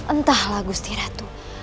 entahlah gusti ratu